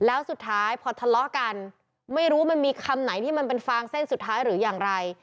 แล้วสุดท้ายพอทะเลาะกันไม่รู้มันมีคำไหนที่มันเป็นฟางเส้นสุดท้ายหรืออย่างไร